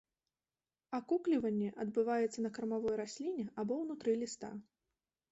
Акукліванне адбываецца на кармавой расліне або ўнутры ліста.